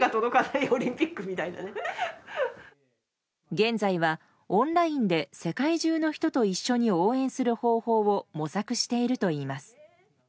現在はオンラインで世界中の人と一緒に応援する方法を模索しているといいます。